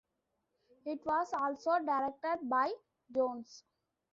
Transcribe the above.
It was also directed by Jones.